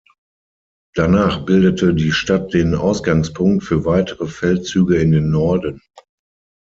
Danach bildete die Stadt den Ausgangspunkt für weitere Feldzüge in den Norden.